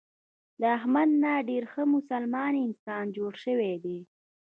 له احمد نه ډېر ښه مسلمان انسان جوړ شوی دی.